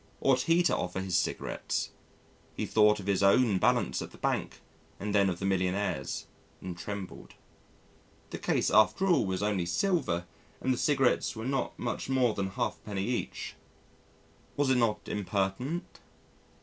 Ought he to offer his cigarettes? He thought of his own balance at the bank and then of the millionaire's and trembled. The case after all was only silver and the cigarettes were not much more than a halfpenny each. Was it not impertinent?